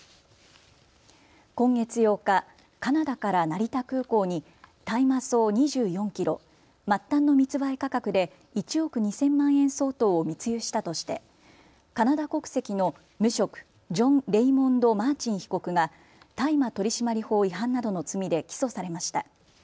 今月８日、カナダから成田空港に大麻草２４キロ、末端の密売価格で１億２０００万円相当を密輸したとしてカナダ国籍の無職、ジョン・レイモンド・マーチン被告が大麻取締法違反などの罪で起訴されました。